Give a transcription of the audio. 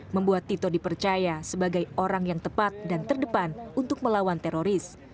membuat tito dipercaya sebagai orang yang tepat dan terdepan untuk melawan teroris